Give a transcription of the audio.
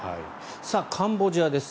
カンボジアです。